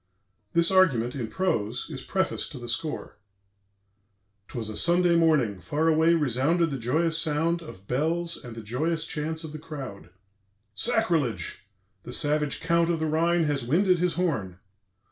This argument, in prose, is prefaced to the score: "'Twas a Sunday morning; far away resounded the joyous sound of bells and the joyous chants of the crowd.... Sacrilege! The savage Count of the Rhine has winded his horn.